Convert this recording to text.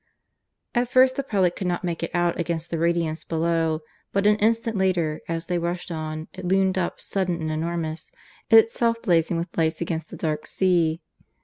At first the prelate could not make it out against the radiance below, but an instant later, as they rushed on, it loomed up, sudden and enormous, itself blazing with lights against the dark sea.